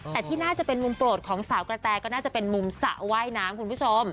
แต่ที่น่าจะเป็นมุมโปรดของสาวกระแตก็น่าจะเป็นมุมสระว่ายน้ำคุณผู้ชม